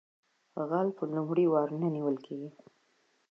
غل په لومړي وار نه نیول کیږي